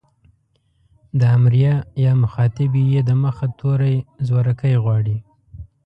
د امريه يا مخاطبې ئ د مخه توری زورکی غواړي.